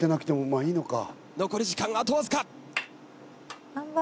残り時間あとわずか！